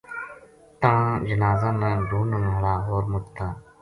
تنہاں جنازاں نا ڈھونڈن ہالاں ہور مچ تھا۔